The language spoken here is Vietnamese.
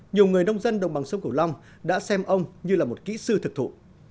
nhiều người nông dân đồng bằng sông cửu long đã xem ông như là một kỹ sư thực thụ